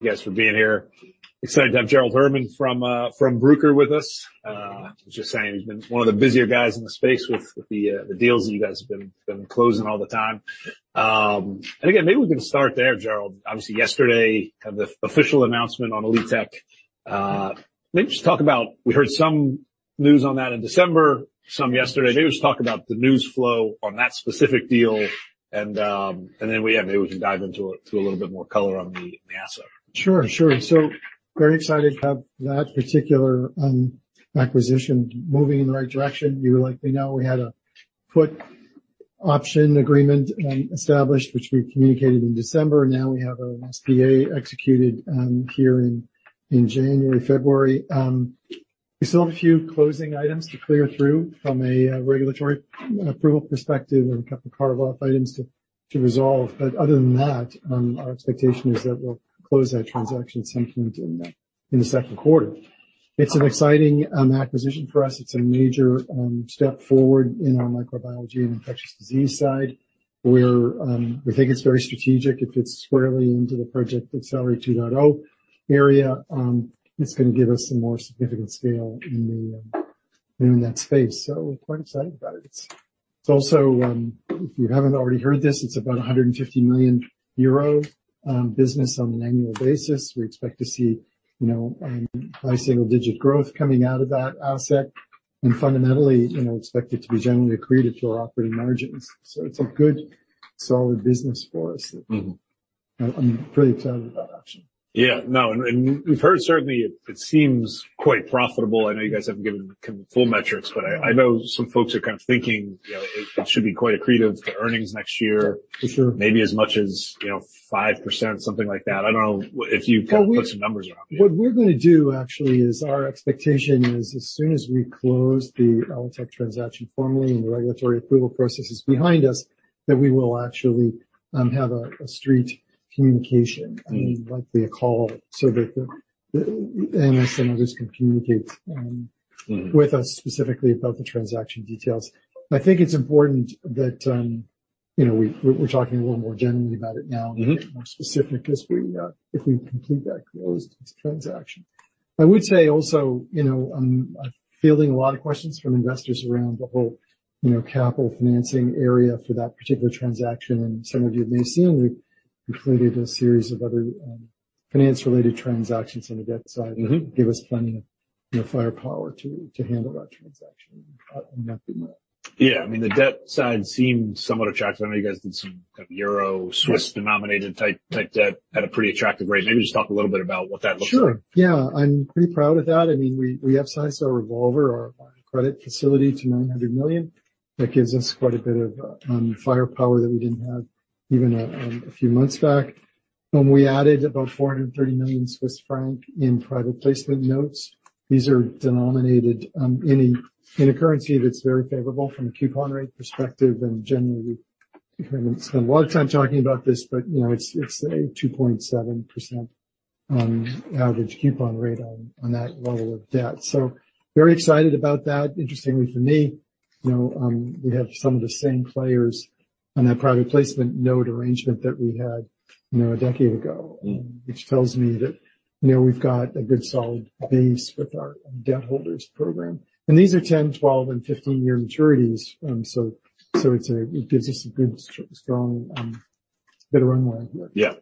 Yes, for being here. Excited to have Gerald Herman from Bruker with us. I was just saying he's been one of the busier guys in the space with the deals that you guys have been closing all the time. And again, maybe we can start there, Gerald. Obviously, yesterday had the official announcement on ELITech. Maybe just talk about we heard some news on that in December, some yesterday. Maybe we just talk about the news flow on that specific deal and then we yeah, maybe we can dive into it, into a little bit more color on the asset. Sure, sure. So very excited to have that particular acquisition moving in the right direction. You would like me to know we had a put option agreement established, which we communicated in December. Now we have an SPA executed here in January, February. We still have a few closing items to clear through from a regulatory approval perspective and a couple of carve-off items to resolve. But other than that, our expectation is that we'll close that transaction at some point in the in the second quarter. It's an exciting acquisition for us. It's a major step forward in our microbiology and infectious disease side. We're, we think it's very strategic. If it's squarely into the Project Accelerate 2.0 area, it's gonna give us some more significant scale in the in that space. So we're quite excited about it. It's also, if you haven't already heard this, it's about 150 million euro business on an annual basis. We expect to see, you know, high single-digit growth coming out of that asset. And fundamentally, you know, expect it to be generally accreted to our operating margins. So it's a good, solid business for us that. I'm pretty excited about that option. Yeah. No, we've heard certainly it seems quite profitable. I know you guys haven't given kind of full metrics, but I know some folks are kind of thinking, you know, it should be quite accretive to earnings next year. For sure. Maybe as much as, you know, 5%, something like that. I don't know if you can put some numbers around it. Well, what we're gonna do actually is our expectation is as soon as we close the ELITech transaction formally and the regulatory approval process is behind us, that we will actually have a street communication. I mean, likely a call so that the analysts and others can communicate, With us specifically about the transaction details. I think it's important that, you know, we're talking a little more generally about it now. Get more specific as we, if we complete that closed transaction. I would say also, you know, I'm fielding a lot of questions from investors around the whole, you know, capital financing area for that particular transaction. Some of you may have seen we've completed a series of other, finance-related transactions on the debt side. Mm-hmm. Give us plenty of, you know, firepower to handle that transaction. I'm not being rude. Yeah. I mean, the debt side seemed somewhat attractive. I know you guys did some kind of Euro/Swiss denominated type debt at a pretty attractive rate. Maybe just talk a little bit about what that looks like. Sure. Yeah. I'm pretty proud of that. I mean, we, we upsized our revolver, our, our credit facility to 900 million. That gives us quite a bit of firepower that we didn't have even a few months back. We added about EUR 430 million in private placement notes. These are denominated in a currency that's very favorable from a coupon rate perspective. And generally, we haven't spent a lot of time talking about this, but you know, it's a 2.7% average coupon rate on that level of debt. So very excited about that. Interestingly for me, you know, we have some of the same players on that private placement note arrangement that we had you know, a decade ago. Mm-hmm. Which tells me that, you know, we've got a good solid base with our debt holders program. And these are 10, 12, and 15-year maturities, so it gives us a good strong bit of runway here. Yeah.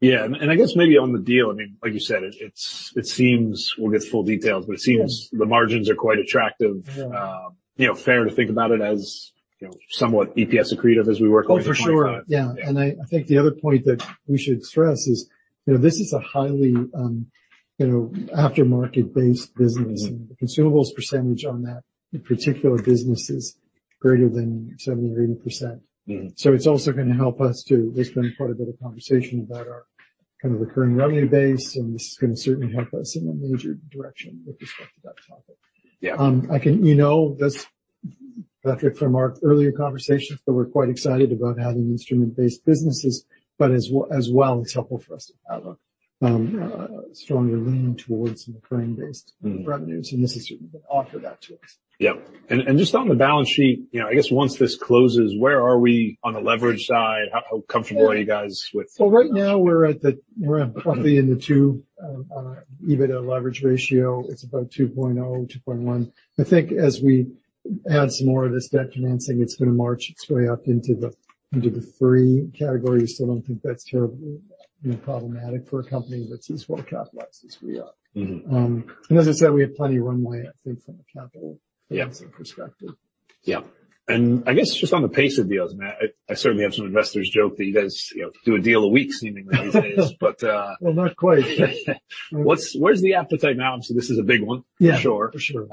Yeah. And I guess maybe on the deal, I mean, like you said, it seems we'll get full details, but it seems. Yes. The margins are quite attractive. Yeah. You know, fair to think about it as, you know, somewhat EPS accretive as we work on the contract? Oh, for sure. Yeah. And I think the other point that we should stress is, you know, this is a highly, you know, aftermarket-based business. Mm-hmm. The consumables percentage on that particular business is greater than 70% or 80%. Mm-hmm. It's also gonna help us too. There's been quite a bit of conversation about our kind of recurring revenue base, and this is gonna certainly help us in a major direction with respect to that topic. Yeah. You know, that's Patrick from our earlier conversations, but we're quite excited about having instrument-based businesses. But as well, it's helpful for us to have a stronger lean towards some recurring-based. Mm-hmm. Revenues. This has certainly been offered that to us. Yep. And just on the balance sheet, you know, I guess once this closes, where are we on the leverage side? How comfortable are you guys with? Well, right now, we're at roughly in the two, EBITDA leverage ratio. It's about 2.0, 2.1. I think as we add some more of this debt financing, it's gonna march its way up into the three category. I still don't think that's terribly, you know, problematic for a company that's as well capitalized as we are. Mm-hmm. As I said, we have plenty of runway, I think, from a capital. Yeah. Financing perspective. Yep. And I guess just on the pace of deals, Matt, I certainly have some investors joke that you guys, you know, do a deal a week seemingly these days. But, Well, not quite. What's the appetite now? Obviously, this is a big one. Yeah. For sure.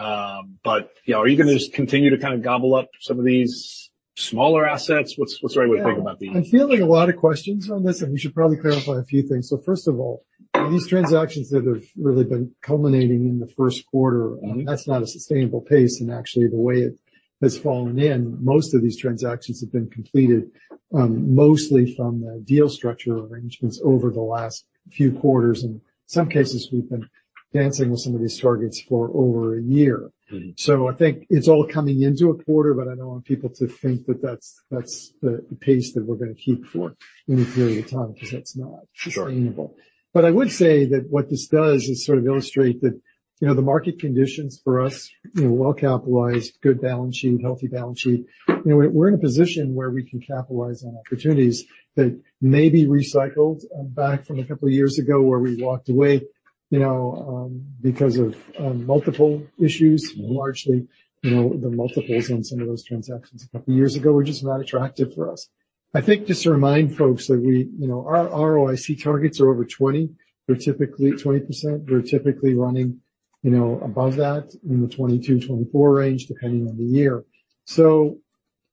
But you know, are you gonna just continue to kind of gobble up some of these smaller assets? What's right. Yeah. With thinking about the? I'm feeling a lot of questions on this, and we should probably clarify a few things. First of all, these transactions that have really been culminating in the first quarter. Mm-hmm. That's not a sustainable pace. Actually, the way it has fallen in, most of these transactions have been completed, mostly from the deal structure arrangements over the last few quarters. In some cases, we've been dancing with some of these targets for over a year. Mm-hmm. I think it's all coming into a quarter, but I don't want people to think that that's, that's the pace that we're gonna keep for any period of time 'cause that's not. Sure. Sustainable. But I would say that what this does is sort of illustrate that, you know, the market conditions for us, you know, well capitalized, good balance sheet, healthy balance sheet, you know, we're in a position where we can capitalize on opportunities that may be recycled back from a couple of years ago where we walked away, you know, because of multiple issues. Largely. You know, the multiples on some of those transactions a couple of years ago were just not attractive for us. I think just to remind folks that we, you know, our ROIC targets are over 20. We're typically 20%. We're typically running, you know, above that in the 22-24 range depending on the year. So,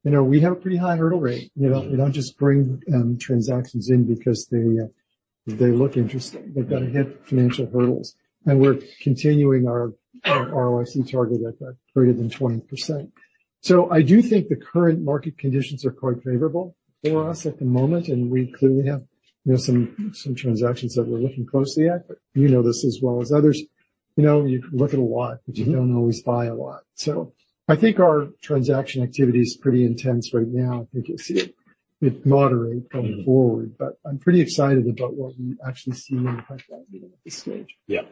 you know, we have a pretty high hurdle rate. You don't just bring transactions in because they look interesting. They've got to hit financial hurdles. And we're continuing our ROIC target at greater than 20%. So I do think the current market conditions are quite favorable for us at the moment. And we clearly have, you know, some transactions that we're looking closely at, but you know this as well as others. You know, you look at a lot, but you don't always buy a lot. I think our transaction activity is pretty intense right now. I think you'll see it'll moderate going forward. I'm pretty excited about what we actually see in the pipeline at this stage. Yeah.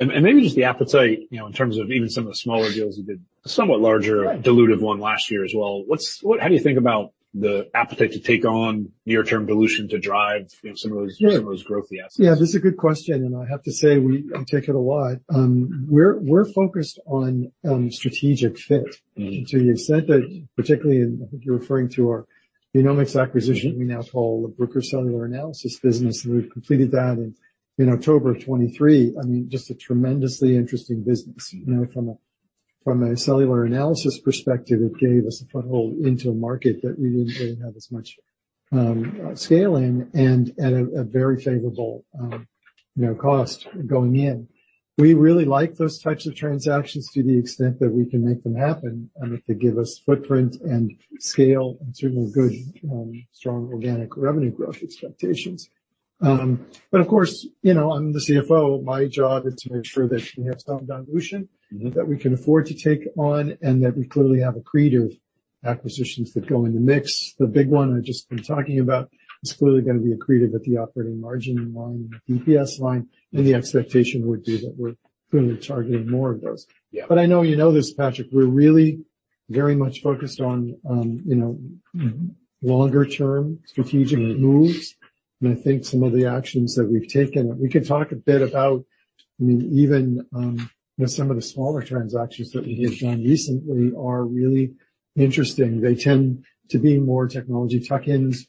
And maybe just the appetite, you know, in terms of even some of the smaller deals you did, a somewhat larger. Right. Dilutive one last year as well. What, how do you think about the appetite to take on near-term dilution to drive, you know, some of those? Yeah. Some of those growthy assets? Yeah. This is a good question. And I have to say, I take it a lot. We're focused on strategic fit. Mm-hmm. To the extent that, particularly in, I think you're referring to our Genomics acquisition. Mm-hmm. That we now call the Bruker Cellular Analysis business. And we've completed that in October of 2023. I mean, just a tremendously interesting business. Mm-hmm. You know, from a cellular analysis perspective, it gave us a foothold into a market that we didn't really have as much scale in and at a very favorable, you know, cost going in. We really like those types of transactions to the extent that we can make them happen, if they give us footprint and scale and certainly good, strong organic revenue growth expectations. But of course, you know, I'm the CFO. My job is to make sure that we have some dilution. Mm-hmm. That we can afford to take on and that we clearly have accretive acquisitions that go in the mix. The big one I've just been talking about is clearly gonna be accretive at the operating margin line and the EPS line. And the expectation would be that we're clearly targeting more of those. Yeah. But I know you know this, Patrick. We're really very much focused on, you know. Mm-hmm. Longer-term strategic moves. And I think some of the actions that we've taken that we can talk a bit about, I mean, even, you know, some of the smaller transactions that we have done recently are really interesting. They tend to be more technology tuck-ins.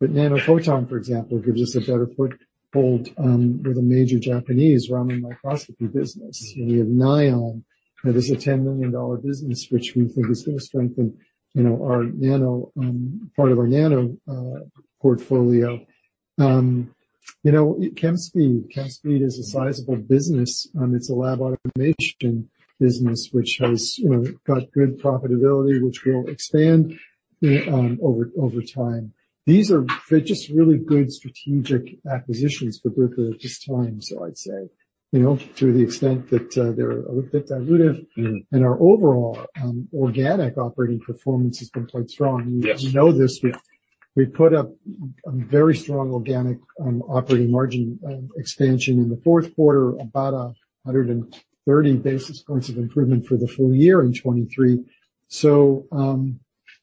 But Nanophoton, for example, gives us a better foothold, with a major Japanese Raman Microscopy business. Mm-hmm. We have Nyon. You know, this is a $10 million business, which we think is gonna strengthen, you know, our nano, part of our nano, portfolio. You know, Chemspeed. Chemspeed is a sizable business. It's a lab automation business which has, you know, got good profitability, which will expand, you know, over, over time. These are they're just really good strategic acquisitions for Bruker at this time, so I'd say, you know, to the extent that, they're a little bit dilutive. Mm-hmm. Our overall organic operating performance has been quite strong. Yes. You, you know this. We. Yes. We put up a very strong organic operating margin expansion in the fourth quarter, about 130 basis points of improvement for the full year in 2023. So,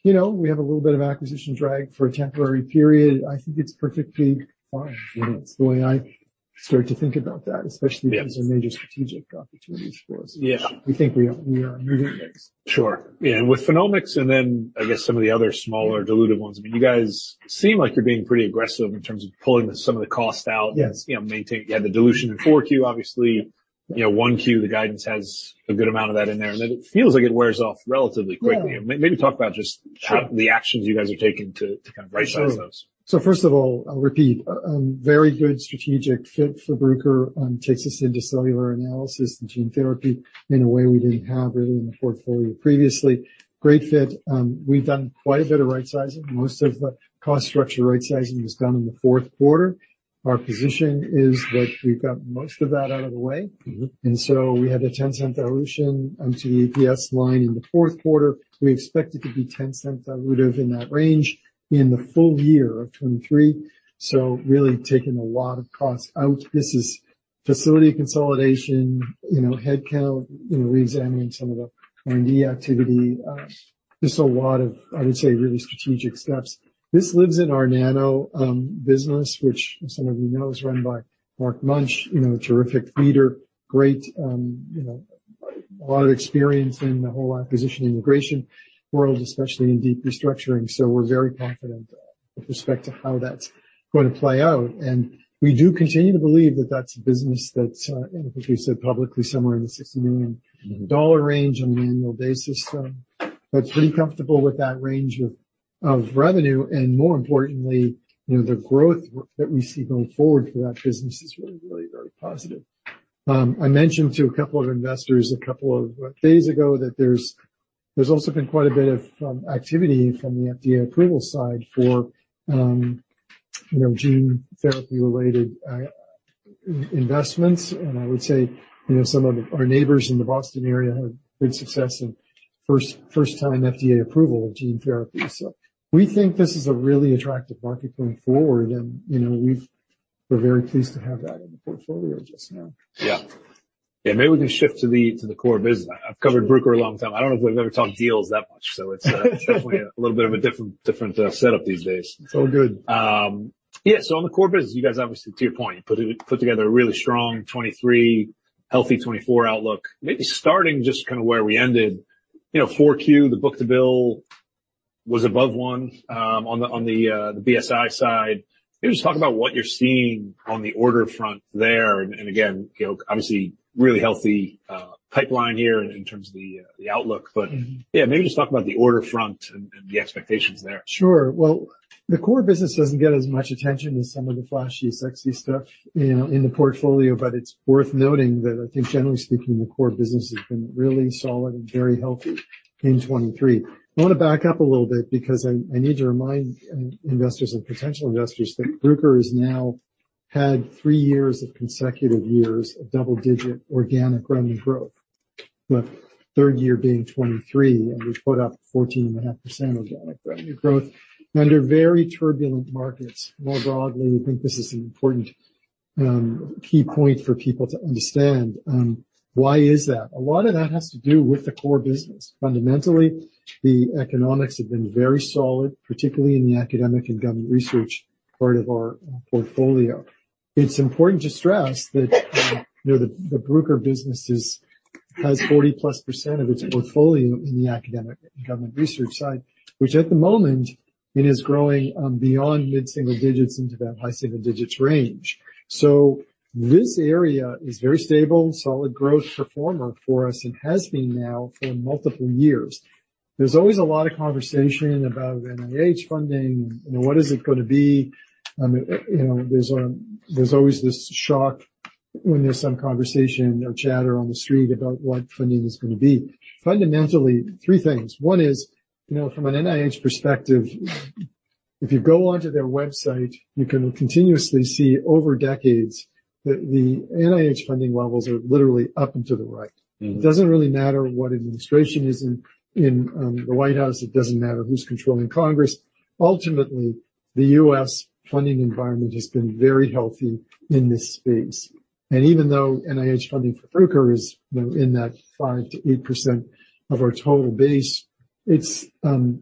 you know, we have a little bit of acquisition drag for a temporary period. I think it's perfectly fine. Mm-hmm. It's the way I start to think about that, especially. Yeah. These are major strategic opportunities for us. Yeah. We think we are moving things. Sure. Yeah. And with PhenomeX and then I guess some of the other smaller dilutive ones, I mean, you guys seem like you're being pretty aggressive in terms of pulling some of the cost out. Yes. You know, maintain you had the dilution in 4Q, obviously. You know, 1Q, the guidance has a good amount of that in there. And then it feels like it wears off relatively quickly. Yeah. And maybe talk about just. Sure. How the actions you guys are taking to kind of right-size those. Sure. So first of all, I'll repeat. Very good strategic fit for Bruker. Takes us into cellular analysis and gene therapy in a way we didn't have really in the portfolio previously. Great fit. We've done quite a bit of right-sizing. Most of the cost structure right-sizing was done in the fourth quarter. Our position is that we've got most of that out of the way. Mm-hmm. We had a $0.10 dilution to the EPS line in the fourth quarter. We expect it to be $0.10 dilutive in that range in the full year of 2023. So really taking a lot of costs out. This is facility consolidation, you know, headcount, you know, reexamining some of the R&D activity. Just a lot of, I would say, really strategic steps. This lives in our NANO business, which some of you know is run by Mark Munch, you know, a terrific leader, great, you know, a lot of experience in the whole acquisition integration world, especially in deep restructuring. So we're very confident with respect to how that's gonna play out. And we do continue to believe that that's a business that's, and I think we said publicly somewhere in the $60 million. Mm-hmm. Range on an annual basis, but pretty comfortable with that range of revenue. And more importantly, you know, the growth that we see going forward for that business is really, really very positive. I mentioned to a couple of investors a couple of days ago that there's also been quite a bit of activity from the FDA approval side for, you know, gene therapy-related investments. And I would say, you know, some of our neighbors in the Boston area have good success in first-time FDA approval of gene therapy. So we think this is a really attractive market going forward. And, you know, we're very pleased to have that in the portfolio just now. Yeah. Yeah. Maybe we can shift to the core business. I've covered Bruker a long time. I don't know if we've ever talked deals that much. So it's definitely a little bit of a different setup these days. It's all good. Yeah. So on the core business, you guys obviously, to your point, you put together a really strong 2023, healthy 2024 outlook. Maybe starting just kind of where we ended, you know, 4Q, the book-to-bill was above one, on the BSI side. Maybe just talk about what you're seeing on the order front there. And again, you know, obviously, really healthy pipeline here in terms of the outlook. But. Mm-hmm. Yeah. Maybe just talk about the order front and the expectations there. Sure. Well, the core business doesn't get as much attention as some of the flashy sexy stuff, you know, in the portfolio. But it's worth noting that I think, generally speaking, the core business has been really solid and very healthy in 2023. I wanna back up a little bit because I need to remind investors and potential investors that Bruker has now had three years of consecutive years of double-digit organic revenue growth, with third year being 2023. And we've put up 14.5% organic revenue growth. And under very turbulent markets, more broadly, I think this is an important, key point for people to understand. Why is that? A lot of that has to do with the core business. Fundamentally, the economics have been very solid, particularly in the academic and government research part of our portfolio. It's important to stress that, you know, the Bruker business has 40%+ of its portfolio in the academic and government research side, which at the moment, it is growing, beyond mid-single digits into that high-single digits range. So this area is very stable, solid growth performer for us and has been now for multiple years. There's always a lot of conversation about NIH funding and, you know, what is it gonna be? You know, there's always this shock when there's some conversation or chatter on the street about what funding is gonna be. Fundamentally, three things. One is, you know, from an NIH perspective, if you go onto their website, you can continuously see over decades that the NIH funding levels are literally up and to the right. Mm-hmm. It doesn't really matter what administration is in the White House. It doesn't matter who's controlling Congress. Ultimately, the U.S. funding environment has been very healthy in this space. And even though NIH funding for Bruker is, you know, in that 5%-8% of our total base, it's,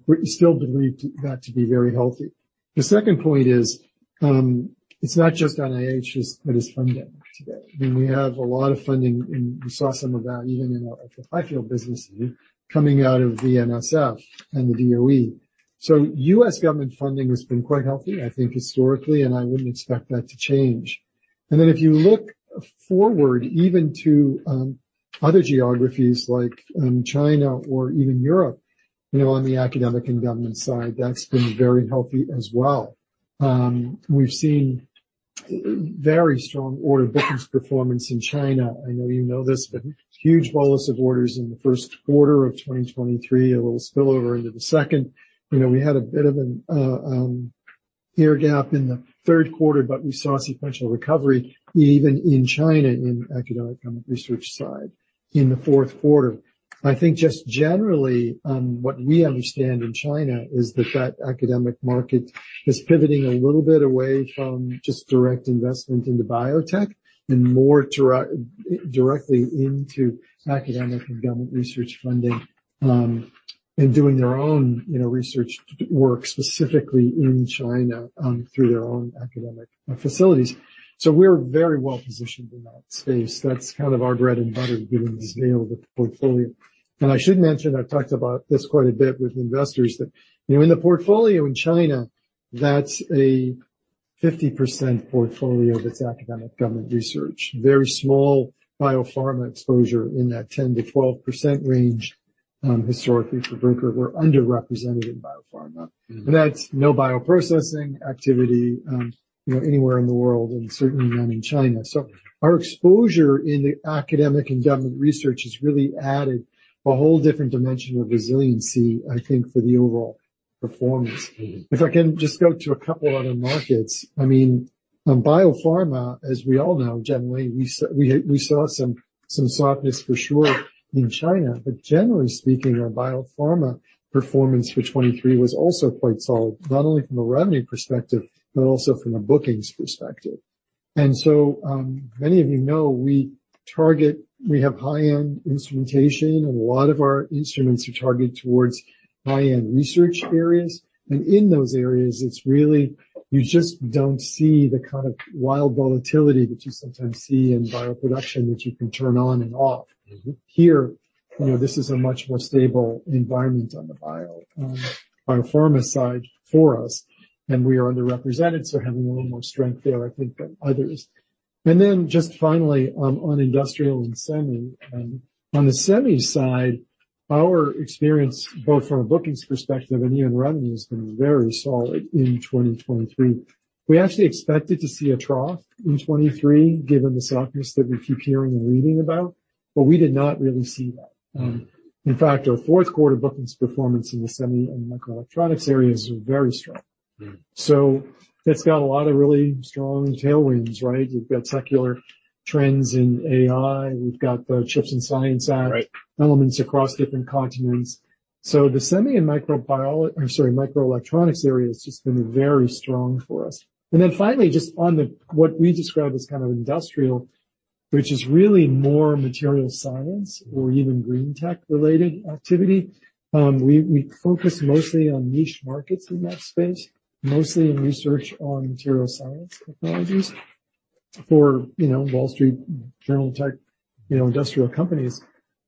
we still believe that to be very healthy. The second point is, it's not just NIH that is funding today. I mean, we have a lot of funding, and we saw some of that even in our at the high-field business coming out of the NSF and the DOE. So U.S. government funding has been quite healthy, I think, historically. And I wouldn't expect that to change. And then if you look forward even to other geographies like China or even Europe, you know, on the academic and government side, that's been very healthy as well. We've seen very strong order bookings performance in China. I know you know this, but huge bolus of orders in the first quarter of 2023, a little spillover into the second. You know, we had a bit of an air gap in the third quarter, but we saw sequential recovery even in China in academic government research side in the fourth quarter. I think just generally, what we understand in China is that that academic market is pivoting a little bit away from just direct investment into biotech and more directly into academic and government research funding, and doing their own, you know, research work specifically in China, through their own academic facilities. So we're very well positioned in that space. That's kind of our bread and butter, getting this view of the portfolio. I should mention I've talked about this quite a bit with investors, that, you know, in the portfolio in China, that's a 50% portfolio that's academic government research, very small biopharma exposure in that 10%-12% range, historically for Bruker. We're underrepresented in biopharma. Mm-hmm. That's no bioprocessing activity, you know, anywhere in the world and certainly none in China. So our exposure in the academic and government research has really added a whole different dimension of resiliency, I think, for the overall performance. Mm-hmm. If I can just go to a couple other markets. I mean, biopharma, as we all know, generally, we saw some, some softness for sure in China. But generally speaking, our biopharma performance for 2023 was also quite solid, not only from a revenue perspective but also from a bookings perspective. And so, many of you know, we have high-end instrumentation. And a lot of our instruments are targeted towards high-end research areas. And in those areas, it's really you just don't see the kind of wild volatility that you sometimes see in bioproduction that you can turn on and off. Mm-hmm. Here, you know, this is a much more stable environment on the bio, biopharma side for us. We are underrepresented, so having a little more strength there, I think, than others. Then just finally, on industrial and semi, on the semi side, our experience, both from a bookings perspective and even revenue, has been very solid in 2023. We actually expected to see a trough in 2023 given the softness that we keep hearing and reading about. We did not really see that. In fact, our fourth-quarter bookings performance in the semi and microelectronics areas is very strong. It's got a lot of really strong tailwinds, right? You've got secular trends in AI. We've got the CHIPS and Science Act. Right. Elements across different continents. So the semi and microelectronics area has just been very strong for us. And then finally, just on the what we describe as kind of industrial, which is really more material science or even green tech-related activity, we focus mostly on niche markets in that space, mostly in research on material science technologies for, you know, Wall Street general tech, you know, industrial companies.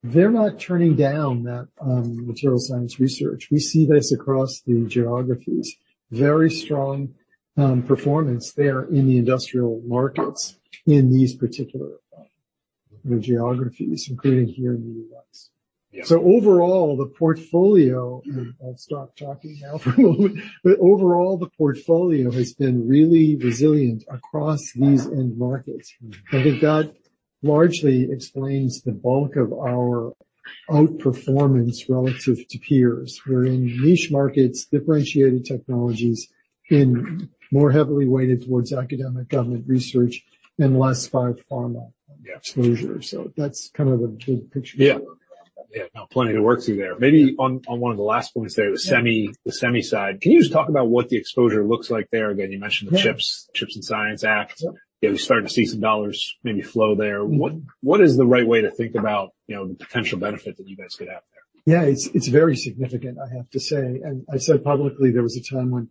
They're not turning down that, material science research. We see this across the geographies, very strong, performance there in the industrial markets in these particular, you know, geographies, including here in the U.S. Yeah. Overall, the portfolio and I'll stop talking now for a moment. Overall, the portfolio has been really resilient across these end markets. Mm-hmm. I think that largely explains the bulk of our outperformance relative to peers. We're in niche markets, differentiated technologies, and more heavily weighted towards academic government research and less biopharma. Yeah. Exposure. That's kind of the big picture. Yeah. Yeah. No, plenty to work through there. Maybe on one of the last points there, the semi side, can you just talk about what the exposure looks like there? Again, you mentioned the CHIPS and Science Act. Yep. You know, you started to see some dollars maybe flow there. Mm-hmm. What is the right way to think about, you know, the potential benefit that you guys could have there? Yeah. It's, it's very significant, I have to say. And I said publicly there was a time when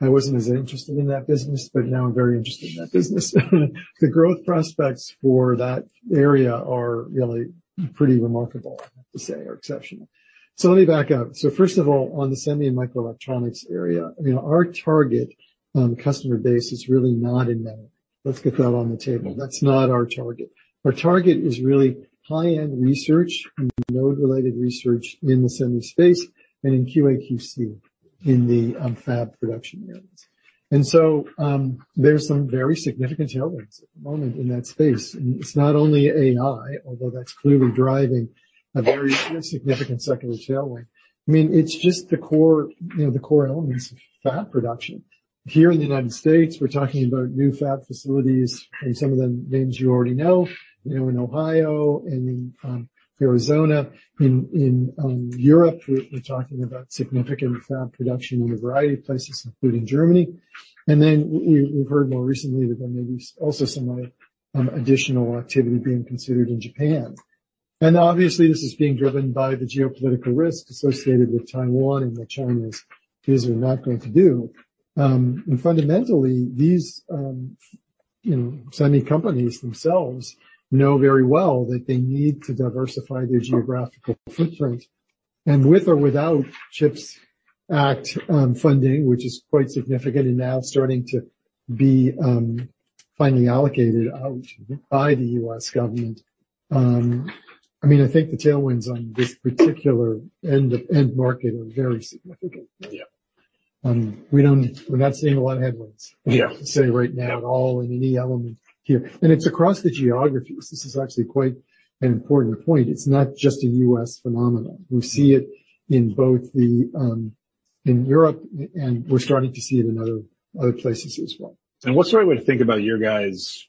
I wasn't as interested in that business, but now I'm very interested in that business. The growth prospects for that area are really pretty remarkable, I have to say, or exceptional. So let me back up. So first of all, on the semi and microelectronics area, you know, our target, customer base is really not in memory. Let's get that on the table. That's not our target. Our target is really high-end research, node-related research in the semi space and in QAQC in the, fab production areas. And so, there's some very significant tailwinds at the moment in that space. And it's not only AI, although that's clearly driving a very significant secular tailwind. I mean, it's just the core, you know, the core elements of fab production. Here in the United States, we're talking about new fab facilities. And some of the names you already know, you know, in Ohio and in Arizona. In Europe, we're talking about significant fab production in a variety of places, including Germany. And then we've heard more recently that there may be also some additional activity being considered in Japan. And obviously, this is being driven by the geopolitical risk associated with Taiwan and what China is or not going to do. And fundamentally, these, you know, semi companies themselves know very well that they need to diversify their geographical footprint. And with or without CHIPS Act funding, which is quite significant and now starting to be finally allocated out by the U.S. government, I mean, I think the tailwinds on this particular end of end market are very significant. Yeah. We're not seeing a lot of headwinds. Yeah. To say right now at all in any element here. It's across the geographies. This is actually quite an important point. It's not just a U.S. phenomenon. We see it in both the, in Europe, and we're starting to see it in other, other places as well. What's the right way to think about your guys'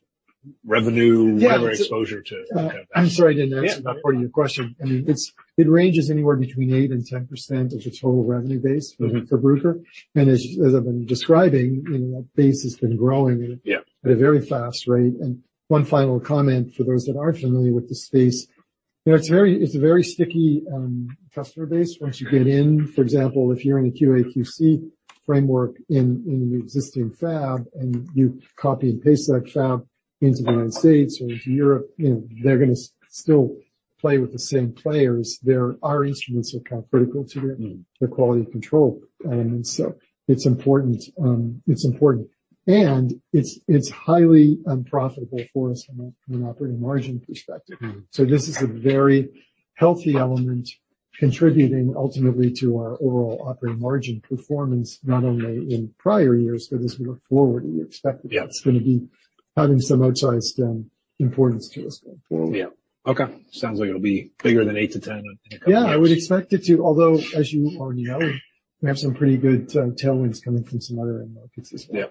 revenue, whatever? Yeah. Exposure to that? I'm sorry I didn't answer that. Yeah. Part of your question. I mean, it ranges anywhere between 8%-10% of the total revenue base. Mm-hmm. For Bruker. As I've been describing, you know, that base has been growing. Yeah. At a very fast rate. One final comment for those that aren't familiar with the space. You know, it's a very sticky customer base. Once you get in, for example, if you're in a QAQC framework in the existing fab and you copy and paste that fab into the United States or into Europe, you know, they're gonna still play with the same players. There our instruments are kind of critical to their. Mm-hmm. Their quality control elements. So it's important, it's important. And it's highly profitable for us from an operating margin perspective. Mm-hmm. This is a very healthy element contributing ultimately to our overall operating margin performance, not only in prior years, but as we look forward, we expect it. Yeah. It's gonna be having some outsized importance to us going forward. Yeah. Okay. Sounds like it'll be bigger than 8-10 in a couple of years. Yeah. I would expect it to, although, as you already know, we have some pretty good tailwinds coming from some other end markets as well. Yeah.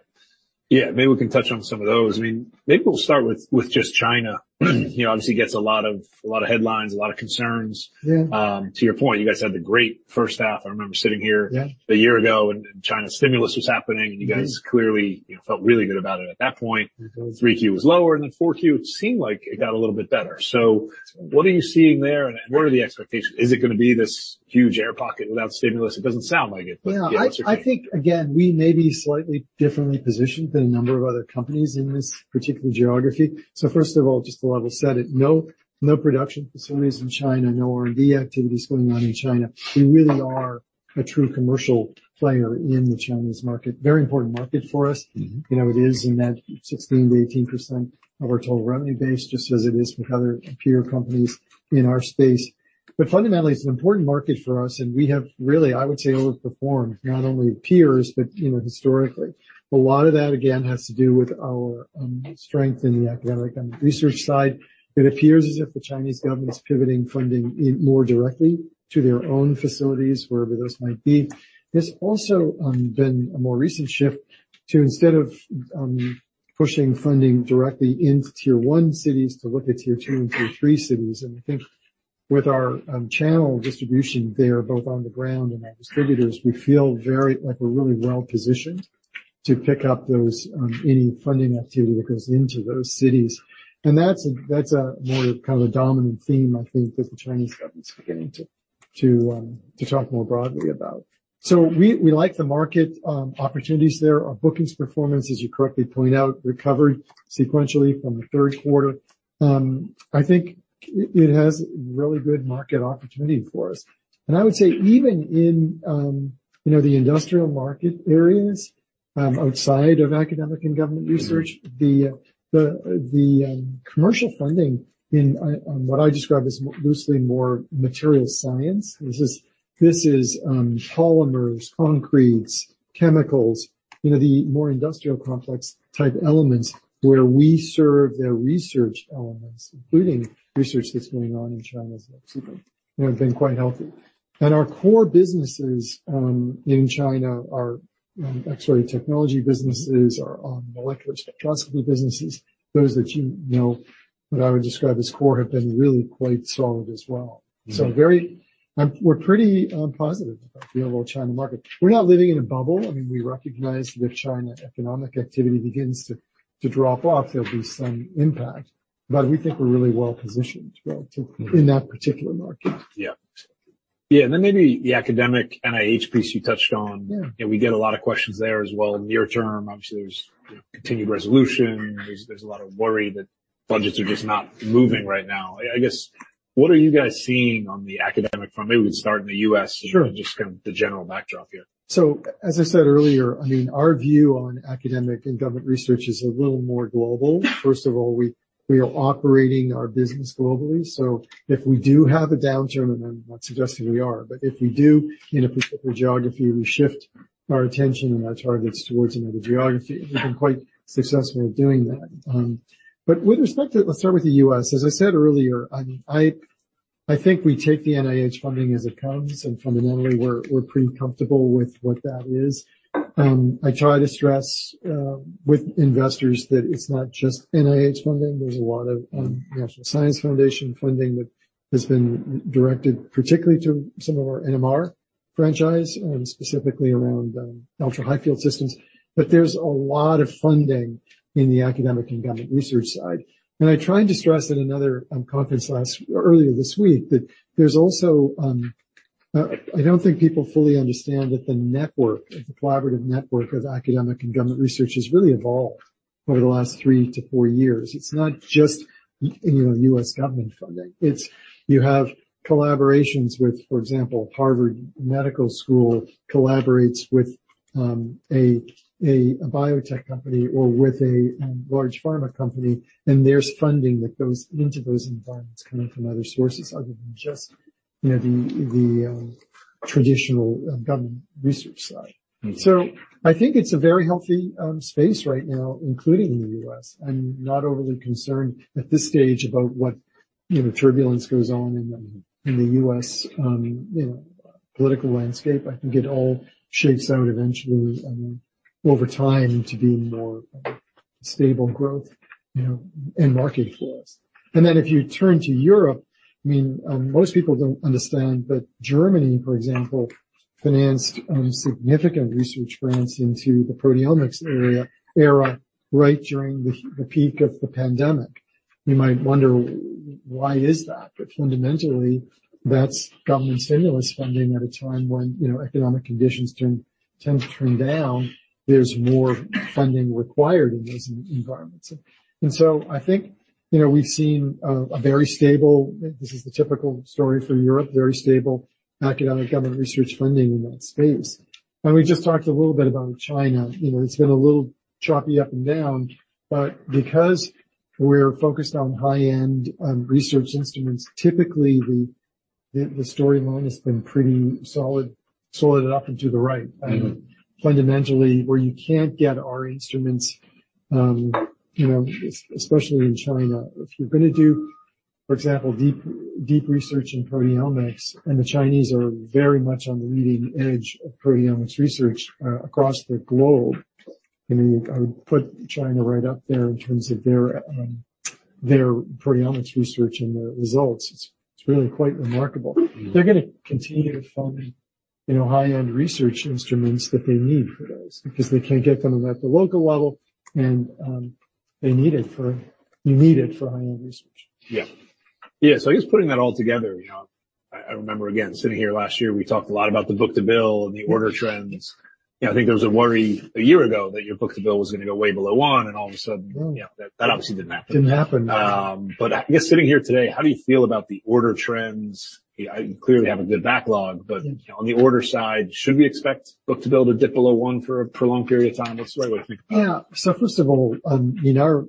Yeah. Maybe we can touch on some of those. I mean, maybe we'll start with, with just China. You know, obviously, it gets a lot of a lot of headlines, a lot of concerns. Yeah. To your point, you guys had the great first half. I remember sitting here. Yeah. A year ago, and China stimulus was happening. And you guys. Mm-hmm. Clearly, you know, felt really good about it at that point. Mm-hmm. 3Q was lower. And then 4Q, it seemed like it got a little bit better. So what are you seeing there? And, and what are the expectations? Is it gonna be this huge air pocket without stimulus? It doesn't sound like it, but the answer here. Yeah. I think, again, we may be slightly differently positioned than a number of other companies in this particular geography. So first of all, just to level set it, no, no production facilities in China. No R&D activities going on in China. We really are a true commercial player in the Chinese market, very important market for us. Mm-hmm. You know, it is in that 16%-18% of our total revenue base just as it is with other peer companies in our space. But fundamentally, it's an important market for us. And we have really, I would say, overperformed not only peers but, you know, historically. A lot of that, again, has to do with our, strength in the academic government research side. It appears as if the Chinese government's pivoting funding in more directly to their own facilities, wherever those might be. There's also, been a more recent shift to instead of, pushing funding directly into tier-one cities to look at Tier 2 and Tier 3 cities. And I think with our, channel distribution there, both on the ground and our distributors, we feel very like we're really well positioned to pick up those, any funding activity that goes into those cities. And that's a more kind of a dominant theme, I think, that the Chinese government's beginning to talk more broadly about. So we like the market opportunities there. Our bookings performance, as you correctly point out, recovered sequentially from the third quarter. I think it has really good market opportunity for us. And I would say even in, you know, the industrial market areas, outside of academic and government research, the commercial funding in what I describe as loosely more material science, this is polymers, concretes, chemicals, you know, the more industrial complex type elements where we serve their research elements, including research that's going on in China's subcontinent, you know, have been quite healthy. Our core businesses in China are X-ray technology businesses, our molecular spectroscopy businesses, those that you know what I would describe as core, have been really quite solid as well. Mm-hmm. So we're pretty positive about the overall China market. We're not living in a bubble. I mean, we recognize that if China economic activity begins to drop off, there'll be some impact. But we think we're really well positioned, right, to. Mm-hmm. In that particular market. Yeah. Yeah. And then maybe the academic NIH piece you touched on. Yeah. You know, we get a lot of questions there as well near term. Obviously, there's, you know, continued resolution. There's a lot of worry that budgets are just not moving right now. I guess, what are you guys seeing on the academic front? Maybe we can start in the U.S. Sure. Just kind of the general backdrop here. So as I said earlier, I mean, our view on academic and government research is a little more global. First of all, we are operating our business globally. So if we do have a downturn and I'm not suggesting we are, but if we do in a particular geography, we shift our attention and our targets towards another geography. We've been quite successful at doing that. But with respect to, let's start with the U.S. As I said earlier, I mean, I think we take the NIH funding as it comes. And fundamentally, we're pretty comfortable with what that is. I try to stress, with investors that it's not just NIH funding. There's a lot of National Science Foundation funding that has been directed particularly to some of our NMR franchise, specifically around ultra-high-field systems. There's a lot of funding in the academic and government research side. I tried to stress at another conference earlier this week that there's also. I don't think people fully understand that the network, the collaborative network of academic and government research has really evolved over the last 3-4 years. It's not just, you know, U.S. government funding. It's you have collaborations with, for example, Harvard Medical School collaborates with, a biotech company or with a large pharma company. There's funding that goes into those environments coming from other sources other than just, you know, the traditional government research side. Mm-hmm. So I think it's a very healthy space right now, including in the U.S. I'm not overly concerned at this stage about what, you know, turbulence goes on in the U.S., you know, political landscape. I think it all shakes out eventually, I mean, over time to be more stable growth, you know, and market for us. And then if you turn to Europe, I mean, most people don't understand, but Germany, for example, financed significant research grants into the proteomics era right during the peak of the pandemic. You might wonder, why is that? But fundamentally, that's government stimulus funding at a time when, you know, economic conditions tend to turn down. There's more funding required in those environments. And so I think, you know, we've seen a very stable. This is the typical story for Europe, very stable academic government research funding in that space. And we just talked a little bit about China. You know, it's been a little choppy up and down. But because we're focused on high-end research instruments, typically, the storyline has been pretty solid, solid up and to the right. Mm-hmm. Fundamentally, where you can't get our instruments, you know, especially in China, if you're gonna do, for example, deep, deep research in proteomics and the Chinese are very much on the leading edge of proteomics research across the globe, I mean, I would put China right up there in terms of their, their proteomics research and their results. It's, it's really quite remarkable. Mm-hmm. They're gonna continue to fund, you know, high-end research instruments that they need for those because they can't get them at the local level. And they need it for high-end research. Yeah. Yeah. So I guess putting that all together, you know, I remember again, sitting here last year, we talked a lot about the book-to-bill and the order trends. You know, I think there was a worry a year ago that your book-to-bill was gonna go way below one. And all of a sudden. No. You know, that obviously didn't happen. Didn't happen. No. I guess sitting here today, how do you feel about the order trends? I, I clearly have a good backlog. But. Mm-hmm. You know, on the order side, should we expect book-to-bill to dip below 1 for a prolonged period of time? What's the right way to think about it? Yeah. So first of all, I mean, our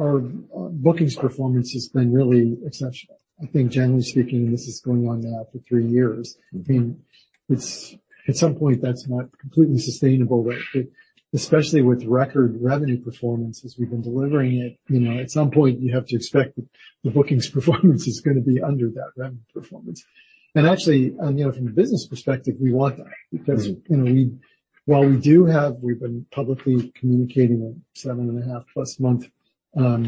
bookings performance has been really exceptional. I think, generally speaking, and this is going on now for three years. Mm-hmm. I mean, it's at some point, that's not completely sustainable, right? But especially with record revenue performance as we've been delivering it, you know, at some point, you have to expect that the bookings performance is gonna be under that revenue performance. And actually, you know, from a business perspective, we want that because. Mm-hmm. You know, while we do have, we've been publicly communicating a 7.5+-month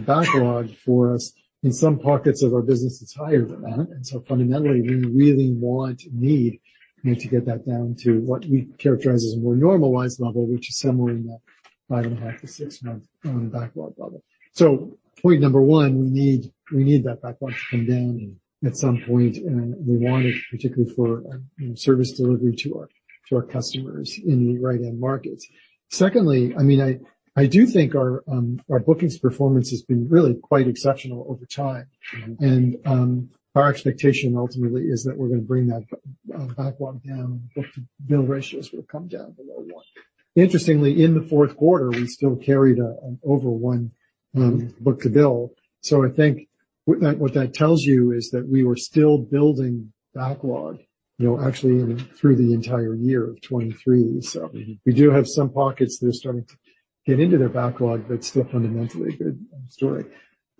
backlog for us, in some pockets of our business, it's higher than that. And so fundamentally, we really want and need, you know, to get that down to what we characterize as a more normalized level, which is somewhere in that 5.5-6-month backlog level. So point number one, we need that backlog to come down. Mm-hmm. At some point. We want it, particularly for, you know, service delivery to our customers in the right-end markets. Secondly, I mean, I do think our bookings performance has been really quite exceptional over time. Mm-hmm. Our expectation ultimately is that we're gonna bring that backlog down. Book-to-bill ratios will come down below 1. Interestingly, in the fourth quarter, we still carried an over 1 book-to-bill. So I think what that tells you is that we were still building backlog, you know, actually, you know, through the entire year of 2023. So. Mm-hmm. We do have some pockets that are starting to get into their backlog, but still fundamentally a good story.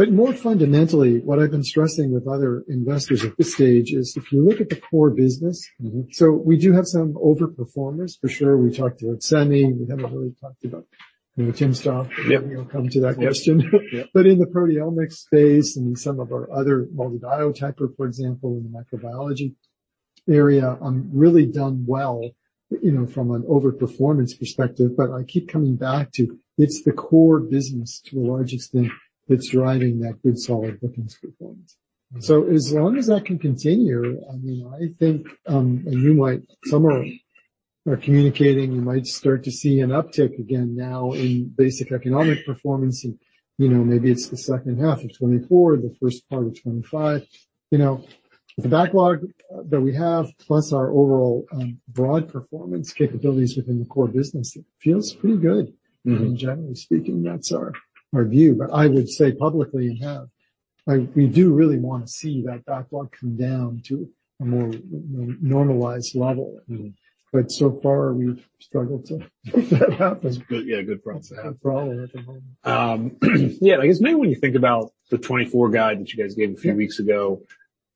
But more fundamentally, what I've been stressing with other investors at this stage is if you look at the core business. Mm-hmm. So we do have some overperformers, for sure. We talked to, like, Sammy. We haven't really talked about, you know, timsTOF. Yeah. You know, come to that question. Yeah. Yeah. But in the proteomics space and in some of our other MALDI Biotyper, for example, in the microbiology area, we've really done well, you know, from an overperformance perspective. But I keep coming back to it's the core business, to a large extent, that's driving that good, solid bookings performance. Mm-hmm. So as long as that can continue, I mean, I think, and you might some are, are communicating. You might start to see an uptick again now in basic economic performance. And, you know, maybe it's the second half of 2024, the first part of 2025. You know, with the backlog that we have, plus our overall, broad performance capabilities within the core business, it feels pretty good. Mm-hmm. I mean, generally speaking, that's our view. But I would say publicly and have. I, we do really wanna see that backlog come down to a more, you know, normalized level. Mm-hmm. But so far, we've struggled to make that happen. Good yeah, good for us to have. Not a problem at the moment. Yeah. I guess maybe when you think about the 2024 guide that you guys gave a few weeks ago,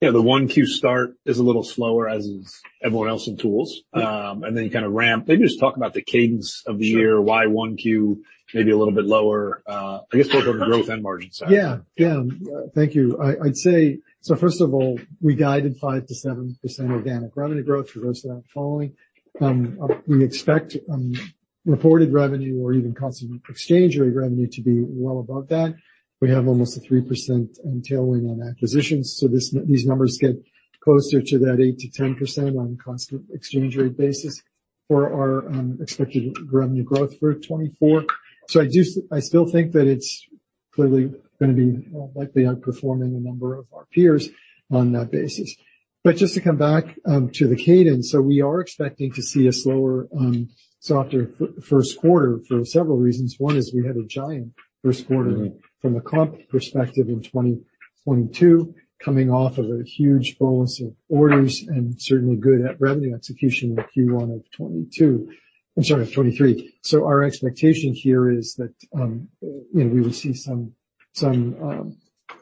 you know, the 1Q start is a little slower as is everyone else in tools. Mm-hmm. and then you kind of ramp maybe just talk about the cadence of the year. Yeah. Why 1Q maybe a little bit lower, I guess both on the growth and margin side. Yeah. Yeah. Thank you. I'd say so first of all, we guided 5%-7% organic revenue growth for those that aren't following. We expect reported revenue or even constant exchange rate revenue to be well above that. We have almost a 3% tailwind on acquisitions. So these numbers get closer to that 8%-10% on constant exchange rate basis for our expected revenue growth for 2024. So I still think that it's clearly gonna be likely outperforming a number of our peers on that basis. But just to come back to the cadence, so we are expecting to see a slower, softer first quarter for several reasons. One is we had a giant first quarter. Mm-hmm. From a comp perspective in 2022, coming off of a huge bonus of orders and certainly good at revenue execution in Q1 of '22, I'm sorry, of 2023. So our expectation here is that, you know, we would see some, some,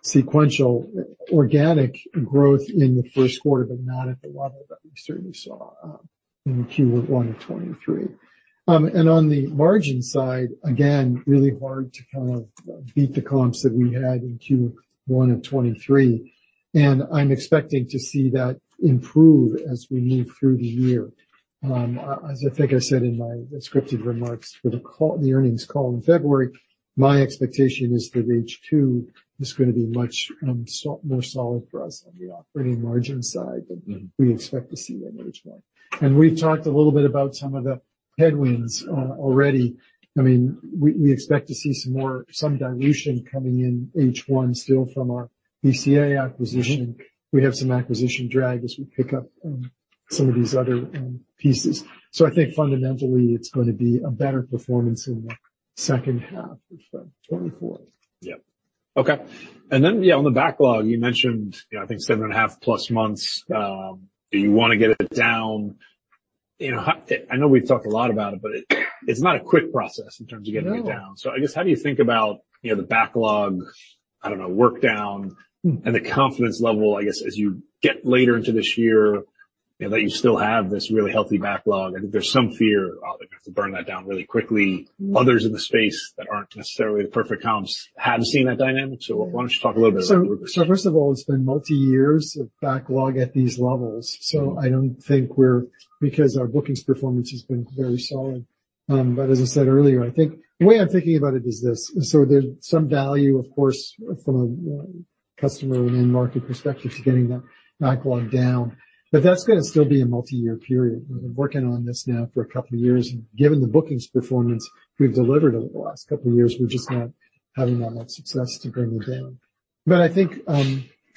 sequential, organic growth in the first quarter but not at the level that we certainly saw in Q1 of 2023. And on the margin side, again, really hard to kind of beat the comps that we had in Q1 of 2023. And I'm expecting to see that improve as we move through the year. As I think I said in my scripted remarks for the call, the earnings call in February, my expectation is that H2 is gonna be much, so more solid for us on the operating margin side than. Mm-hmm. We expect to see in H1. We've talked a little bit about some of the headwinds, already. I mean, we expect to see some more dilution coming in H1 still from our BCA acquisition. Mm-hmm. We have some acquisition drag as we pick up some of these other pieces. So I think fundamentally, it's gonna be a better performance in the second half of 2024. Yeah. Okay. And then, yeah, on the backlog, you mentioned, you know, I think 7.5+ months. Do you wanna get it down? You know, how I know we've talked a lot about it, but it, it's not a quick process in terms of getting it down. No. I guess how do you think about, you know, the backlog. I don't know, workdown. Mm-hmm. The confidence level, I guess, as you get later into this year, you know, that you still have this really healthy backlog? I think there's some fear, that you have to burn that down really quickly. Mm-hmm. Others in the space that aren't necessarily the perfect comps have seen that dynamic. So why don't you talk a little bit about? Right. What we're seeing? So, first of all, it's been multi-years of backlog at these levels. So I don't think we're because our bookings performance has been very solid, but as I said earlier, I think the way I'm thinking about it is this. So there's some value, of course, from a customer and end-market perspective to getting that backlog down. But that's gonna still be a multi-year period. We've been working on this now for a couple of years. And given the bookings performance we've delivered over the last couple of years, we're just not having that much success to bring it down. But I think,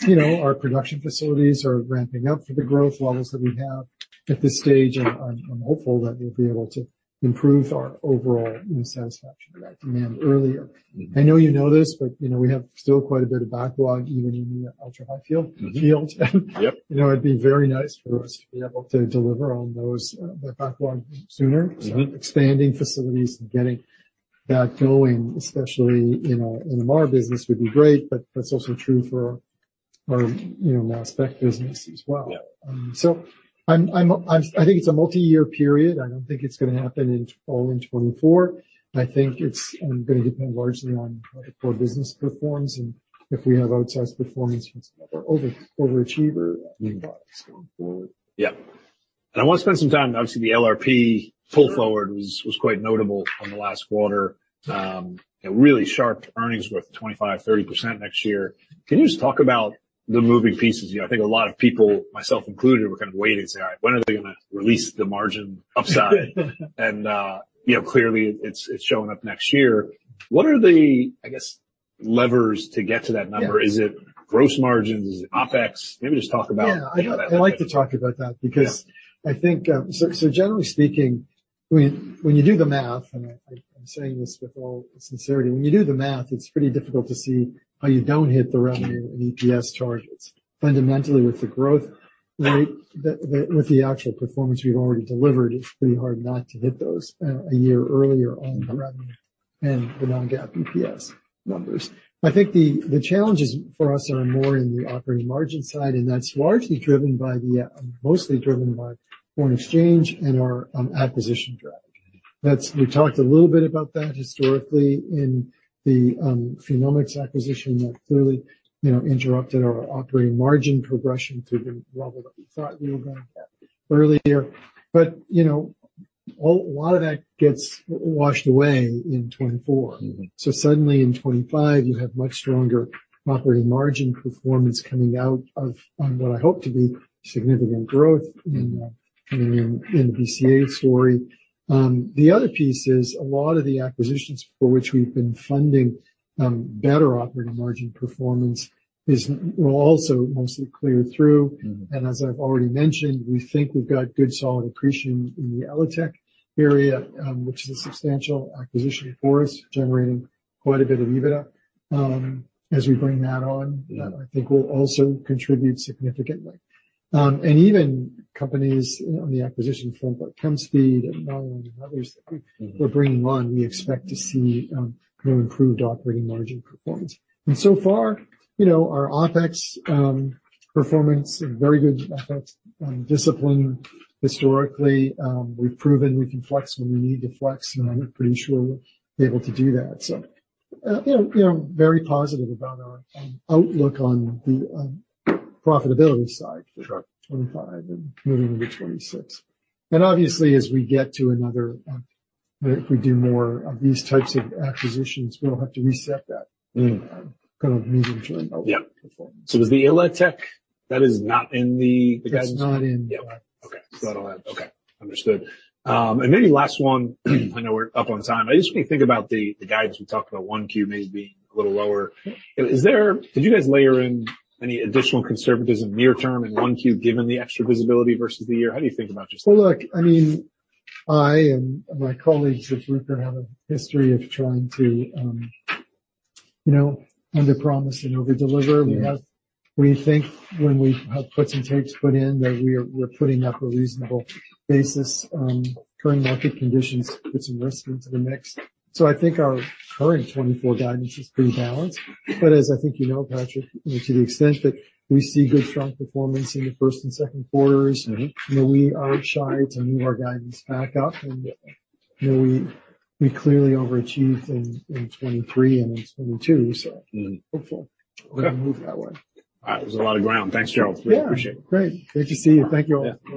you know, our production facilities are ramping up for the growth levels that we have at this stage. And I'm hopeful that we'll be able to improve our overall, you know, satisfaction with that demand earlier. Mm-hmm. I know you know this, but, you know, we have still quite a bit of backlog even in the ultra-high field. Mm-hmm. Field. Yep. You know, it'd be very nice for us to be able to deliver on those, that backlog sooner. Mm-hmm. Expanding facilities and getting that going, especially in our NMR business, would be great. But that's also true for our, you know, mass spec business as well. Yeah. So, I think it's a multi-year period. I don't think it's gonna happen all in 2024. I think it's gonna depend largely on how the core business performs and if we have outsized performance from some of our overachievers. Meanwhile, it's going forward. Yeah. I wanna spend some time. Obviously, the LRP pull forward was, was quite notable on the last quarter. You know, really sharp earnings growth, 25%-30% next year. Can you just talk about the moving pieces? You know, I think a lot of people, myself included, were kind of waiting and saying, "All right. When are they gonna release the margin upside?" You know, clearly, it's, it's showing up next year. What are the, I guess, levers to get to that number? Yeah. Is it gross margins? Is it OPEX? Maybe just talk about. Yeah. I like to talk about that because. Yeah. I think, so generally speaking, when you do the math and I'm saying this with all sincerity, when you do the math, it's pretty difficult to see how you don't hit the revenue and EPS targets. Fundamentally, with the growth rate, with the actual performance we've already delivered, it's pretty hard not to hit those, a year earlier on the revenue. Mm-hmm. The non-GAAP EPS numbers. I think the challenges for us are more in the operating margin side. That's largely driven by, mostly driven by foreign exchange and our acquisition drag. Mm-hmm. That, we talked a little bit about that historically in the PhenomeX acquisition that clearly, you know, interrupted our operating margin progression through the level that we thought we were gonna get earlier. But, you know, a lot of that gets washed away in 2024. Mm-hmm. Suddenly, in 2025, you have much stronger operating margin performance coming out of on what I hope to be significant growth in, Mm-hmm. Coming in, in the BCA story. The other piece is a lot of the acquisitions for which we've been funding, better operating margin performance is and will also mostly clear through. Mm-hmm. As I've already mentioned, we think we've got good, solid accretion in the ELITech area, which is a substantial acquisition for us, generating quite a bit of EBITDA as we bring that on. Yeah. That, I think, will also contribute significantly. And even companies, you know, on the acquisition front like Chemspeed and Nion and others that we. Mm-hmm. We're bringing on. We expect to see no improved operating margin performance. And so far, you know, our OPEX performance, very good OPEX discipline historically. We've proven we can flex when we need to flex. And I'm pretty sure we'll be able to do that. So, you know, you know, very positive about our outlook on the profitability side for. Sure. 2025 and moving into 2026. And obviously, as we get to another, you know, if we do more of these types of acquisitions, we'll have to reset that. Mm-hmm. Kind of medium-term outlook. Yeah. Performance. Is the ELITechGroup that is not in the guidance? That's not in. Yeah. Yeah. Okay. So that'll add, okay. Understood. And maybe last one. I know we're up on time. I just wanna think about the guidance. We talked about 1Q maybe being a little lower. Yeah. You know, did you guys layer in any additional conservatism near-term in 1Q given the extra visibility versus the year? How do you think about just that? Well, look, I mean, I and my colleagues at Bruker have a history of trying to, you know, underpromise and overdeliver. Mm-hmm. We think when we have put some tapes in, that we're putting up a reasonable basis, current market conditions, put some risk into the mix. So I think our current 2024 guidance is pretty balanced. But as I think you know, Patrick, you know, to the extent that we see good, strong performance in the first and second quarters. Mm-hmm. You know, we aren't shy to move our guidance back up. And, you know, we clearly overachieved in 2023 and in 2022. So. Mm-hmm. Hopeful. Okay. We're gonna move that way. All right. It was a lot of ground. Thanks, Gerald. Yeah. Really appreciate it. Great. Great to see you. Thank you all. Yeah.